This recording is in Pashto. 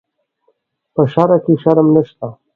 په شرعه کې شرم نشته.